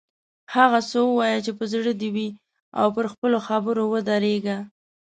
هغه څه ووایه چې په زړه دې وي او پر خپلو خبرو ودریږه.